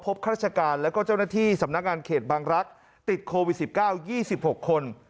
ข้าราชการแล้วก็เจ้าหน้าที่สำนักงานเขตบางรักษ์ติดโควิด๑๙๒๖คน